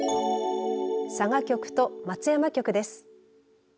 佐賀局と松山局です。